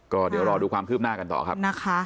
ก็เดี๋ยวรอดูความคืบหน้ากันต่อครับนะคะ